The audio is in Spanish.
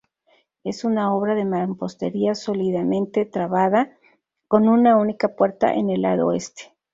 Es una obra de mampostería sólidamente trabada, con una única puerta en lado oeste.